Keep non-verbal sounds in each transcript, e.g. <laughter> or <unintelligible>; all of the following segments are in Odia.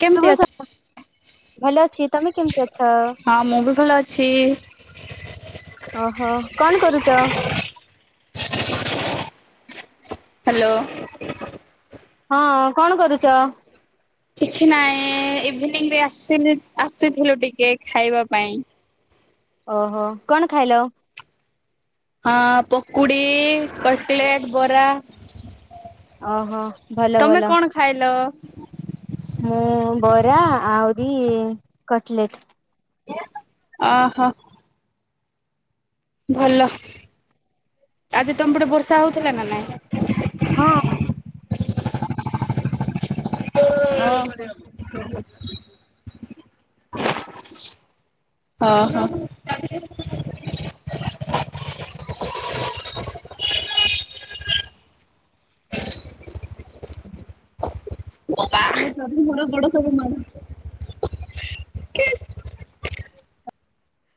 କେମିତି ଶୁଭ ଅଛ? ସକାଲ, ଭଲ ଅଛି, ତମେ କେମତି ଅଛ? ହଁ, ମୁଁ ବି ଭଲ ଅଛି। ଓହୋ, କଣ କରୁଚ? ହାଲୋ। ହଁ କଣ କରୁଚ? କିଛି ନାହିଁ ଇଭିନିଂରେ ଆସି ଆସିଥିଲୁ ଟିକେ ଖାଇବା ପାଇଁ। ଓହୋ କଣ ଖାଇଲ? ହଁ ପକୁଡି କଟଲେଟ୍ ବରା। ଓହୋ ଭଲ ଭଲ। ହ୍ୟାଲୋ। ମୁଁ ବରା ଆହୁରି କଟଲେଟ୍। ଓହୋ। ଭଲ ଆଜି ତମ ପଟେ ବର୍ଷା ହଉଥିଲା ନା ନାଇଁ? ହଁ। <unintelligible> ଅ ହଁ। ବାହା ହେଇପାରୁନି ବଡ଼ <unintelligible> <unintelligible>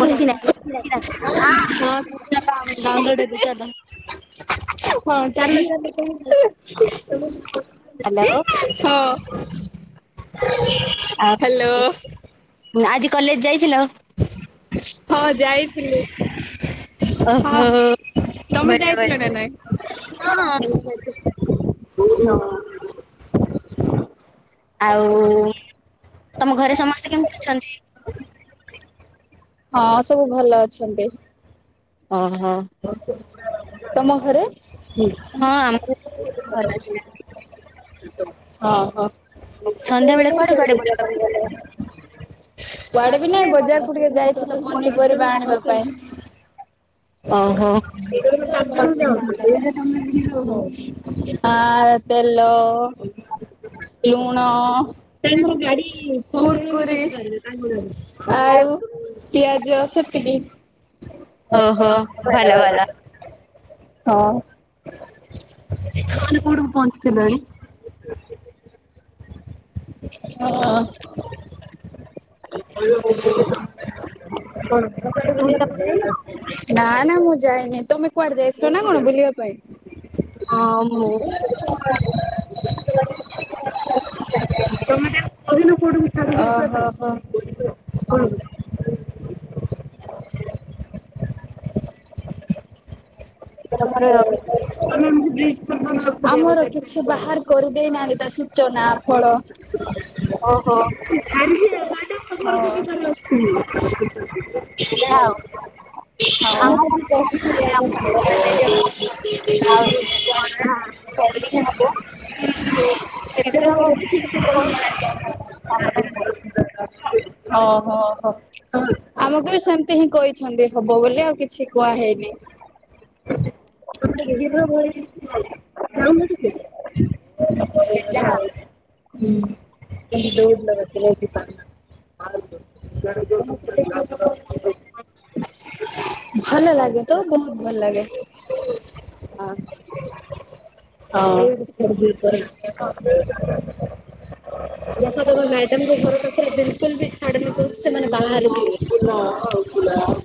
ବସି ନାହିଁ ବସି ନାହିଁ। <unintelligible> ହଁ <unintelligible> ହ୍ୟାଲୋ ହଁ ଆଉ ହ୍ୟାଲୋ। ଆଜି କଲେଜ ଯାଇଥିଲ? ହଁ ଯାଇଥିଲି। ହଁ ଓହୋ ତମେ ବଢିଆ ଯାଇଥିଲ ନା ନାଇଁ? ହଁ ମୁଁ ଯାଇଥିଲି କୋଉ ଦିନ? ଆଉ ତମ ଘରେ ସମସ୍ତେ କେମିତି ଅଛନ୍ତି? ହଁ ସବୁ ଭଲ ଅଛନ୍ତି। ଓହୋ। ତମ ଘରେ ହୁଁ। ହଁ ଆମର ସବୁ ଭଲ ହଁ ହହଁ। ସନ୍ଧ୍ୟା ବେଳେ କୁଆଡେ କୁଆଡେ ବୁଲ <unintelligible> କୁଆଡେ ବି ନାଇଁ ବଜାର କକୁ ଟିକେ ଯାଇଥ ତ ପନିପରିବା ଆଣିବା ପାଇଁ। ଓହୋ। <unintelligible> ତେଲ ଲୁଣ ତାଙ୍କର ଗାଡ଼ି କୁର୍କୁରି ଆଳୁ ପିଆଜ ସେତିକି। ଓହୋ ଭଲ ଭଲ। ହଁ। ମାନେ କଉଠିକୁ ପହଞ୍ଚିଥିଲଣି। ହଁ। <unintelligible> ନା ନା ମୁଁ ଯାଏନି ତୁମେ କୁଆଡେ ଯାଇଥିଲନାଁ କଣ ବୁଲିବା ପାଇଁ? <inaudible> ହଁ ମୁଁ ତମେ <unintelligible> ଓ ହଁ। ତମର <inaudible> ଆମର କିଛି ବାହାର କରିଦେଇନାହାନ୍ତି ତା ସୂଚନା ଫଳ। ଓହୋ। <inaudible> ଆଉ <unintelligible> ଆମକୁ ବୋଲେ ଆମ ହଉ। ଆଉ ଜଣା କରି <inaudible> କେବେ ହବ <inaudible> ବୋଲି ଓହୋ ହୋ। ଆମକୁ ବି ଏମ୍ତି ହିଁ କହିଛନ୍ତି ହବ ବୋଲି ଆଉ କିଛି କୁହା ହେଇନି। <inaudible> <inaudible> <inaudible> <inaudible> <inaudible> ଭଲ ଲାଗେ ତ ବହୁତ୍। ଭଲ୍ ଲାଗେ। <inaudible> ଦେଖ ତମ ମ୍ୟାଡମ୍ ଙ୍କ ଘର ପାଖେରେ ବିଲକୁଲ୍ ବି <unintelligible> ସେମାନେ। <inaudible>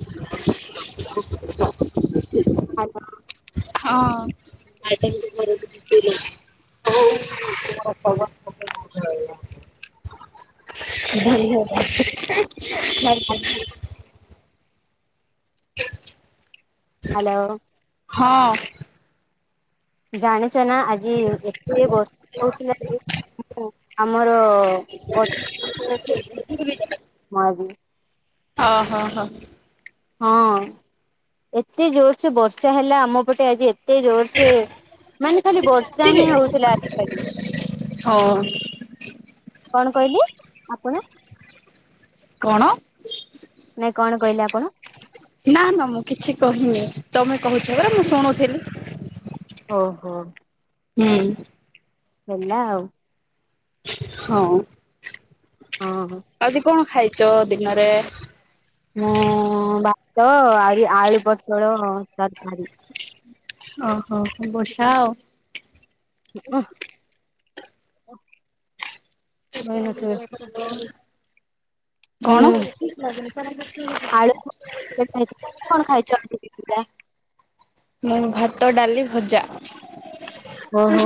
ହଁ। <inaudible> <inaudible> ହାଲୋ। ହଁ। ଜାଣିଚ ନା ଆଜି ଏତେ ବର୍ଷା ହଉଥିଲା ଯେ, ମୁଁ ଆମର <inaudible> ଓ-ହୋ-ହୋ। ହଁ ଏତେ ଜୋର୍ସେ ବର୍ଷା ହେଲା ଆମପଟେ ଆଜି ଏ ତେ ଜୋର୍ସେ ମାନେ ଖାଲି ବର୍ଷା ହିଁ ହଉଥିଲା ଆଜି ଖାଲି। ହଉ। କଣ କହିଲେ? କଣ? ନାଇଁ କଣ କହିଲେ ଆପଣ? ନାଁ-ନାଁ ମୁଁ କିଛି କହିନି, ତମେ କହୁଛ ପରା ମୁଁ ଶୁଣୁଥେଲି। ଓହୋ। ହୁଁ। ହେଲା ଆଉ। ହଁ। ହଁ। ଆଜି କଣ ଖାଇଚ ଦିନରେ? ମୁଁ ବାତ ଆରି ଆଳୁ ପୋଟଳ ତରକାରୀ। ଓହୋ, ବଢିଆ ଆଉ। <unintelligible> <inaudible> କଣ? ହୁଁ ଆଳୁ କଣ ଖାଇଚ <unintelligible> ମୁଁ ଭାତ, ଡାଲି, ଭଜା। <inaudible> ଓହୋ।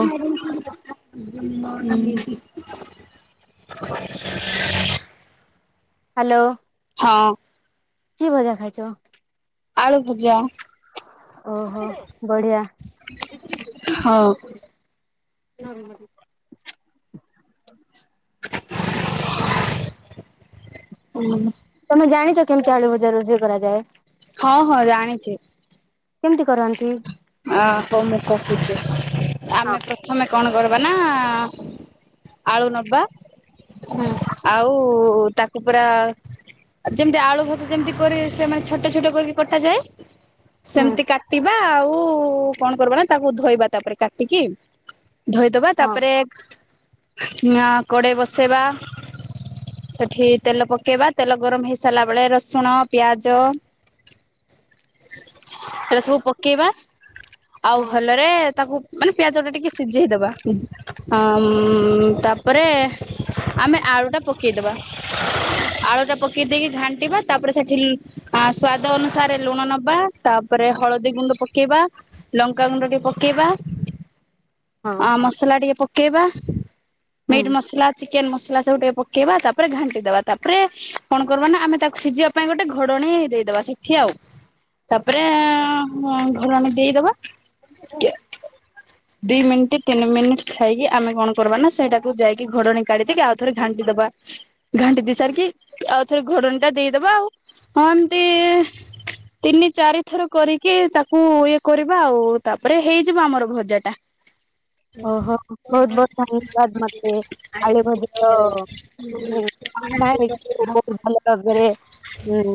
ହାଲୋ ହଁ କି ଭଜା ଖାଇଚ? ଆଳୁ ପୁଜା। ଓହୋ ବଢିଆ ହଉ ହୁଁ ତମେ ଜାଣିଚ କେମତି ଆଳୁ ଭଜା ରୋଷେଇ କରାଯାଏ। ହଁ ହଁ ଜାଣିଛି। କେମତି କରନ୍ତି? ଆ ହୋ ମୁଁ କହୁଚି ଆମେ ପ୍ରଥମେ କଣ କରବା ନା ଆଳୁ ନବା ହୁଁ ଆଉ ତାକୁ ପୁରା ଯେମତି ଆଳୁ ଭଜା ଯେମତି କରି ସେମାନେ ଛୋଟ ଛୋଟ କରକି। କଟାଯାଏ ହୁଁ ସେମତି କାଟିବା ଆଉ କୁ କଣ କରବା ନା ତାକୁ ଧୋଇବା ତାପରେ କାଟିକି ଧୋଇଦବା ହଁ ତାପରେ ନା କଡ଼େଇ ବସେଇବା ସେଠି ତେଲ ପକେଇବା ତେଲ ଗରମ ହେଇ ସାରିଲା ବଳେ ରସୁଣ ପିଆଜ। ଏରା ସବୁ ପକେଇବା। ଆଉ ଭଲରେ ତାକୁ ମାନେ ପିଆଜ ଟା ଟିକେ ସିଜେଇଦବା। ଅଁ ମ ତାପରେ ଆମେ ଆଳୁଟା ପକେଇଦବା। ଆଳୁଟା ପ କେଇ ଦେଇକି ଘାଣ୍ଟିବା ତାପରେ ସେଠି ଲୁ ଆ ସ୍ଵାଦ ଅନୁସାରେ ଲୁଣ ନବା ତାପରେ ହଳଦୀ ଗୁଣ୍ଡ କେଇବା ଲଙ୍କାଗୁଣ୍ଡ ଟିକେ ପକେଇବା ହଁ ଆ ମସଲା ଟିକେ କେଇବା ହୁଁ ମିଟ୍ ମସଲା ଚିକେନ ମସଲା ସବୁ ଟିକେ ପକେଇବା ତାପରେ ଘାଣ୍ଟି ଦବା ତାପରେ। କଣ କରବା ନା ଆମେ ତାକୁ ସିଜିବା ପାଇଁ ଗୋଟେ ଘୋଡଣୀ ଦେଇଦବା ସେଠି ଆଉ। ତାପରେ ଘୋଡଣି ଦେଇଦବା ଦି ମିଣ୍ଟି ତିନି ମିନ ଥାଇକି ଆମେ କଣ କରବା ନା ସେଇଟାକୁ ଯାଇକି ଘୋଡଣୀ କାଢିିଦେଇକି ଆଉ ଥରେ ଘାଣ୍ଟି ଦବା। ଘାଣ୍ଟି ଦେଇ ସାରିକି ଆଉଥରେ ଘୋଡ଼ଣୀ ଟା ଦେଇଦବା ଆଉ ହଁ ଏମତି ତିନି ଚାରି ଥର କରିକି ତା କୁ ଇଏ କରିବା ଆଉ ତାପରେ ହେଇଯିବ ଆମର ଭଜାଟା। ଓହୋ ବହୁତ ବହୁତ ହ ଧନ୍ୟବାଦ ମତେ ଆ <inaudible> ହଁ ଭାଇ ବହୁତ ଭଲ ଲାଗେ। ହୁଁ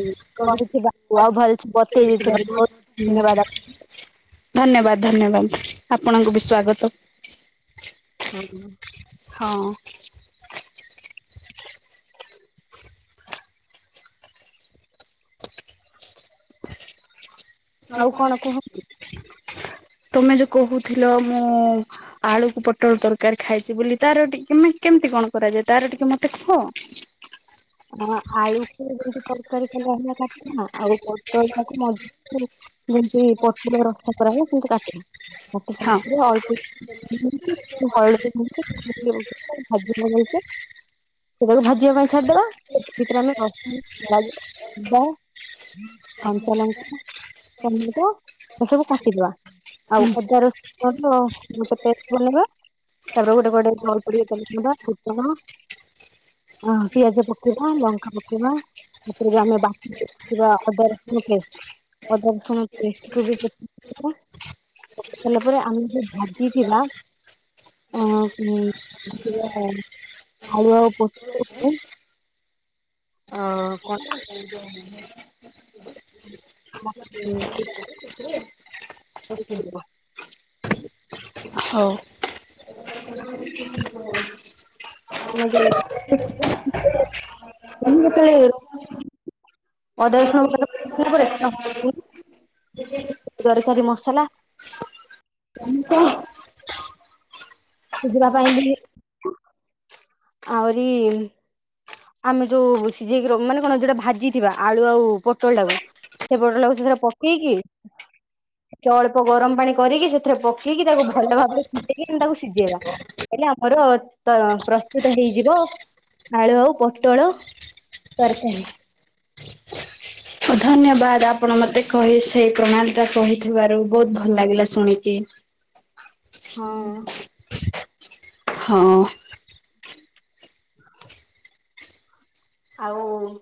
କହି ବାବୁ ଆଉ ଭଲ ବତେଇ ଦେଇଥିବା ବହୁ ଧନ୍ୟବାଦ ଆ ଧନ୍ୟବାଦ ଧନ୍ୟବାଦ ଆପଣଙ୍କୁ ବି ସ୍ଵାଗତ। ହଁ ହଁ ଆଉ କଣ ଅଛି? ତମେ ଯୋଉ କହୁଥିଲ ମୁଁ ଆଳୁକୁ ପୋଟଳ ତରକାରୀ ଖାଇଛି ବୋଲି ତାର ଟିକେ କେମିତି କଣ କରାଯାଏ ତାର ଟିକେ ମତେ କୁହ? ଆଳୁକୁ ଯମ ତରକାରୀ କଲେ କାଟ ଆଉ ପଟଳକୁ ମଝି <unintelligible> ଯେମିତି ପଟୁର ରସା କରାହୁଏ ସେମିତି କାଟିବି। ମୋ ହଁ ଅଳ୍ପ <unintelligible> ସେଟ ଭାଜିବା ପାଇଁ ଛାଡିଦବା। <inaudible> କଞ୍ଚା ଲଙ୍କା ଏସବୁ କାଟିଦବା ଆଉ ଅଦା ରସ ୁ ମତେ <inaudible> ତାପରେ ଗୋଟେ କଂକୁଡ଼ି ଫୁଟଣ ହଁ ପିଆଜ ପ କୁଭା ଲଙ୍କା ପକେଇବା ଓପୁରୁକୁ ଆମେ ବାଟି ଦେଖି ଥିବା ଅଦାରସୁଣ ପେ ଅଦା ରସୁଣ ପେଷ୍ଟକୁ ଯେ। <unintelligible> ପକେଇ ସାରଲା ପରେ ଆମେ ଦି ଘାଣ୍ଟି ଥିବା ଅଁ ତି <inaudible> ଆଳୁ ଆଉ ପୋଟଳକୁ। ଅଁ କଁଟା? ଶୁଭୁଚି? ଆ ତୁ ଏବେ <inaudible> ହଉ। <inaudible> ମୁଁ ହେତଳେ ଘର ଅଦା ରସୁଣ ପରେ କେ ପରେ ଥାମ୍ ପକେଇ ଦରକାରୀ ମସଲା ଏମିତି <inaudible> ଶୁଦୁରା ପାଇଁ ଇ ଆହୁରି ଆମେ ଯୋଉ ସିଜେଇକି ର ମାନେ କଣ ଯୋଉଟା ଭାଜିଥିବା ଆଳୁ ଆଉ ପୋଟଳ ଟାକୁ ସେ ପୋଟଳକୁ ସେଇଥିରେ ପକେଇକି ତ ଅଳ୍ପ ଗରମ ପାଣି କରିକି ସେଥିରେ ପ କେଇକି ତାକୁ ଭଲ ଭାବରେ ପିଟେଇକି ତାକୁ ସିଜେଇବା ହେଲେ ଆମର ତ ପ୍ର ତୁତ ହେଇଯିବ ଆଳୁ ଆଉ ପଟଳ ତରକାରୀ। ଧନ୍ୟବାଦ ଆପଣ ମତେ କହି ସେଇ ପ୍ରଣାଳୀଟା କହିଥିବାରୁ ବହୁତ ଭଲ ଲାଗିଲା ଶୁଣିକି। ହଁ ଉଁ ହୁଁ ହଁ। ହ ଆଉ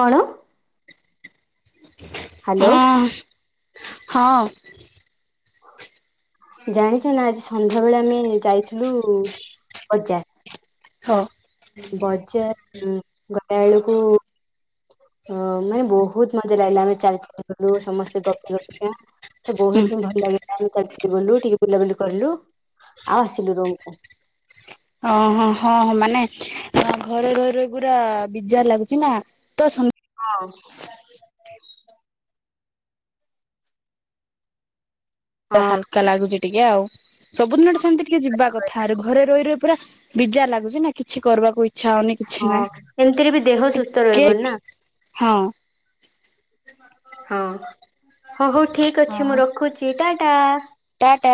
କଣ? ହାଲୋ ଅଁ ହଁ। ଜାଣିଛ ନା ଆଜି ସନ୍ଧ୍ୟା ବେଳେ ଆମେ ଯାଇଥିଲୁ ହଁ। ବଜାର ବଜାର ଗଲାଏଳୁକୁ ଅ ମାନେ ବହୁତ ମଜା ଲାଗିଲା ଆମେ ଚାଲି ଚାଲୁ ସମସ୍ତେ ଗପି ଗପିକା। ଏ ବହୁତ ହୁଁ ହିଁ ଭଲ ଲାଗିଲା ଆମେ ଚାଲ ଚାଲି ଗଲୁ ଟିକେ ବୁଲାବୁଲି କରଲୁ ଆଉ ଆସିଲୁ ରୁମକୁ। ଅଁ ହଁ ହଁ ହଁ ମାନେ ଘରେ ରହି ରହି ପୁରା ବିଜାର ଲାଗୁଚି ନା। ତ ସ ହଉ। ହଁ। ହାଲକା ଲାଗୁଚି। ଟିକେ ଆଉ ସବୁଦିନଟା ସେମିତି ଟିକେ ଯିବା କଥା ଆଉରି ଘରେ ରହି ରହି ପୁରା ବିଜାର ଲାଗୁଚି ନା କିଛି କରୁବାକୁ ଇଚ୍ଛା ହଉନି। କିଛି ହଁ ନାହିଁ। ଏମିତିରେ ବି ଦେହ ସୁସ୍ଥ କେ ରହିବ ନାଁ। ହଁ ହଁ ହଉ ହଉ ଠିକ୍ ଅଛି ମୁଁ ରଖୁଛି ଟା ଟା। ଟାଟା।